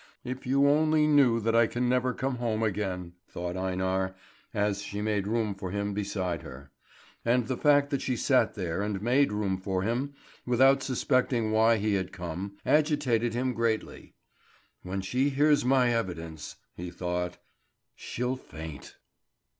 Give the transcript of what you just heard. "If you only knew that I can never come home again!" thought Einar, as she made room for him beside her; and the fact that she sat there and made room for him, without suspecting why he had come, agitated him greatly. "When she hears my evidence," he thought, "she'll faint."